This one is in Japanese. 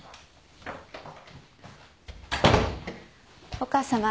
・お母さま。